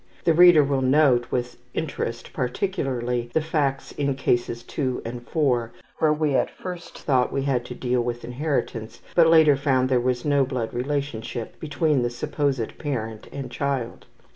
The reader will note with interest particularly the facts in Cases 2 and 4, where we at first thought we had to deal with inheritance, but later found there was no blood relationship between the supposed parent and child.